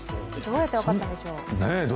どうやって分かったんでしょう。